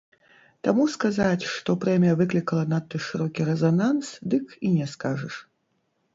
Таму сказаць, што прэмія выклікала надта шырокі рэзананс, дык і не скажаш.